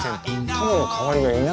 たまの代わりはいない。